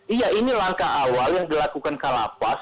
iya ini langkah awal yang dilakukan kalapas